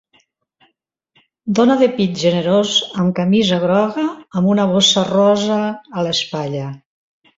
Dona de pit generós amb camisa groga amb una bossa rosa a l'espatlla